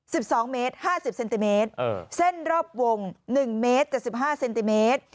สิบสองเมตรห้าสิบเซนติเมตรเออเส้นรอบวงหนึ่งเมตรเจ็ดสิบห้าเซนติเมตร